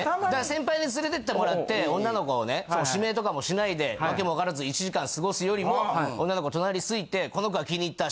先輩に連れてってもらって女の子をね指名とかもしないで訳も分からず１時間過ごすよりも女の子隣ついてこの子が気に入った。